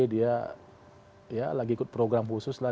dia ya lagi ikut program khusus lah